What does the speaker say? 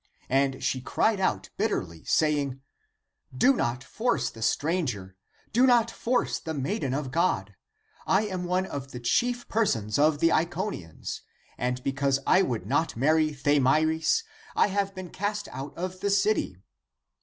And she cried out bitterly, saying, " Do not force the stranger ; do not force the maiden of God. I am one of the chief persons of the Iconians, and because I would not marry Thamyris I have been cast out of the city."